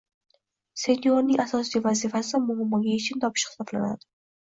Seniorning asosiy vazifasi muammoga yechim topish hisoblanadi